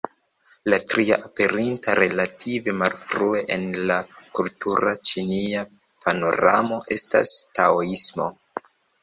La tria, aperinta relative malfrue en la kultura ĉinia panoramo, estas Taoismo.